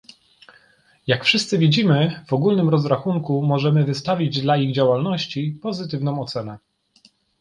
Jak wszyscy widzimy, w ogólnym rozrachunku możemy wystawić dla ich działalności pozytywną ocenę